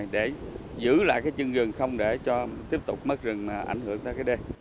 để giữ lại chân rừng không để tiếp tục mất rừng ảnh hưởng đến đê